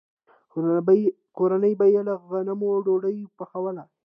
کورنۍ به یې له غنمو ډوډۍ پخوله.